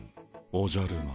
おじゃる丸！